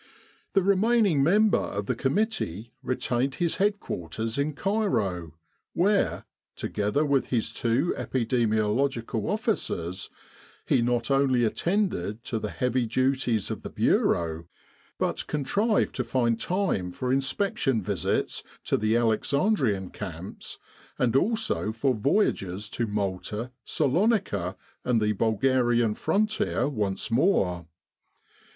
The remaining member of the com mittee retained his headquarters in Cairo, where, together with his two Epidemiological Officers, he not only attended to the heavy duties of the bureau, but contrived to find time for inspection visits to the Alexandrian camps, and also for voyages to Malta, Salonika, and the Bulgarian frontier once more.